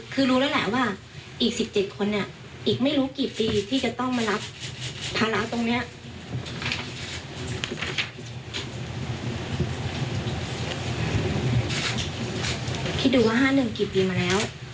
คิดดูว่า๕๑กี่ปีมาแล้ว